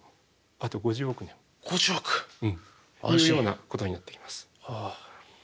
あと５０億年。というようなことになってきます。